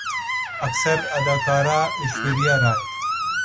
اکثر اداکارہ ایشوریا رائے